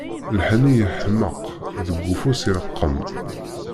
Lḥenni yeḥmeq, deg ufus ireqqem.